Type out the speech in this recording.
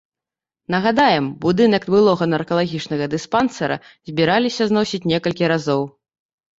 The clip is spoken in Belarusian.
Нагадаем, будынак былога наркалагічнага дыспансера збіраліся зносіць некалькі разоў.